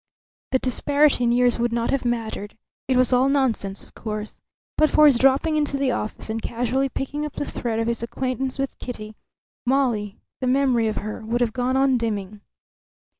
The disparity in years would not have mattered. It was all nonsense, of course. But for his dropping into the office and casually picking up the thread of his acquaintance with Kitty, Molly the memory of her would have gone on dimming.